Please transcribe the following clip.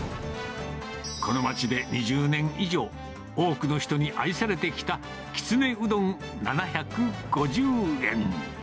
この町で２０年以上、多くの人に愛されてきた、きつねうどん７５０円。